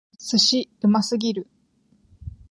寿司！うますぎる！